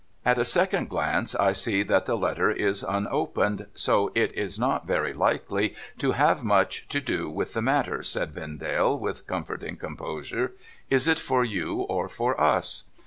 ' At a second glance I see that the letter is unopened, so it is not very likely to have much to do with the matter,' said Vendale, with comforting composure. ' Is it for you, or for us